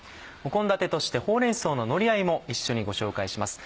献立として「ほうれん草ののりあえ」も一緒にご紹介します。